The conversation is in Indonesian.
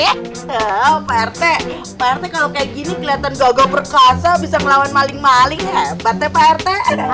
kalau kayak gini kelihatan gagal perkasa bisa melawan maling maling hebatnya pak rt